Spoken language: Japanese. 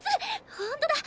ほんとだ！